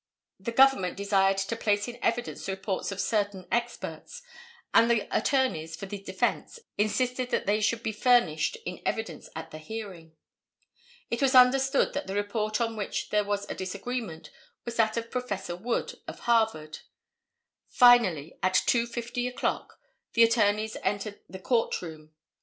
The Government desired to place in evidence the reports of certain experts, and the attorneys for the defence insisted that they should be furnished in evidence at the hearing. It was understood that the report upon which there was a disagreement was that of Professor Wood, of Harvard. Finally, at 2:50 o'clock, the attorneys entered the court room.